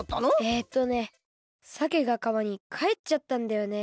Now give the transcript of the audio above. えっとねさけがかわにかえっちゃったんだよね。